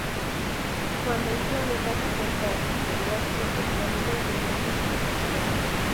Cuando un planeta se acerca a su periastro, el planeta incrementa su velocidad.